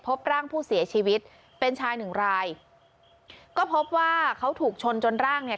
พบร่างผู้เสียชีวิตเป็นชายหนึ่งรายก็พบว่าเขาถูกชนจนร่างเนี่ย